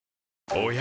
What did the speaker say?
おや？